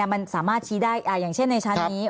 มันสามารถชี้ได้อย่างเช่นในชั้นนี้